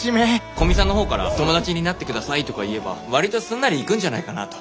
古見さんの方から「友達になって下さい」とか言えば割とすんなりいくんじゃないかなと。